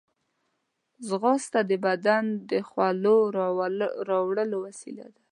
ځغاسته د بدن د خولو راوړلو وسیله ده